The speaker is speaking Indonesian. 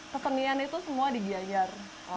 kesenian itu semua di gianyar